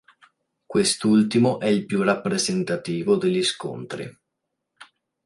Quest'ultimo è il più rappresentativo degli scontri.